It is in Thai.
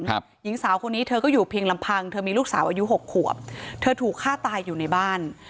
หญิงสาวคนนี้เธอก็อยู่เพียงลำพังเธอมีลูกสาวอายุหกขวบเธอถูกฆ่าตายอยู่ในบ้าน